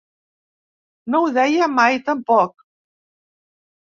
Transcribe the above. No ho deia mai tampoc.